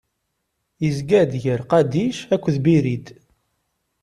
izga-d gar Qadic akked Birid.